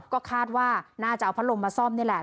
ก็คาดว่าน่าจะเอาพัดลมมาซ่อมนี่แหละ